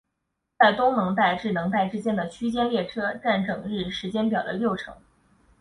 在东能代至能代之间的区间列车占整日时间表的六成。